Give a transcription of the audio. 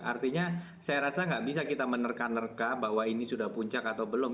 artinya saya rasa nggak bisa kita menerka nerka bahwa ini sudah puncak atau belum